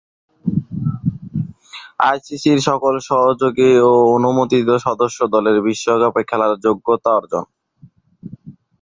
আইসিসি’র সকল সহযোগী ও অনুমোদিত সদস্য দলের বিশ্বকাপে খেলার যোগ্যতা অর্জন।